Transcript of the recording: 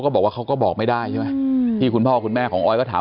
บอกว่าเขาก็บอกไม่ได้ใช่ไหมที่คุณพ่อคุณแม่ของออยก็ถาม